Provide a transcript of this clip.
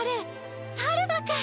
さるばくん！